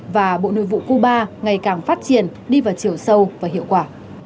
và bộ nội vụ cuba ngày càng phát triển đi vào chiều sâu và hiệu quả